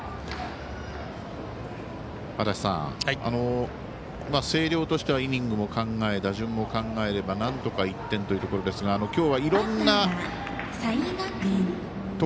足達さん、星稜としてはイニングも考え打順も考えればなんとか１点というところですが今日はいろんな。